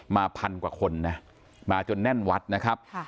พันกว่าคนนะมาจนแน่นวัดนะครับ